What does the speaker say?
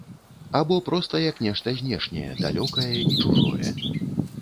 Або проста як нешта знешняе, далёкае і чужое.